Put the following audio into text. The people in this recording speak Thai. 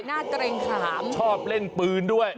เกรงขามชอบเล่นปืนด้วย